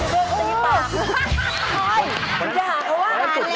ตื่นขึ้นมาอีกทีตอน๑๐โมงเช้า